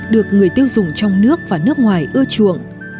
được người tiêu dùng trong nước và nước ngoài ưa chuộng